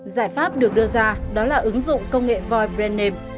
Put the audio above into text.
giải pháp được đưa ra đó là ứng dụng công nghệ void brand name